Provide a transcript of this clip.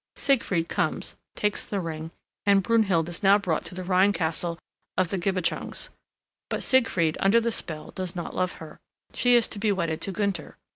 Siegfried comes, takes the ring, and Brunhild is now brought to the Rhine castle of the Gibichungs, but Siegfried under the spell does not love her. She is to be wedded to Gunther.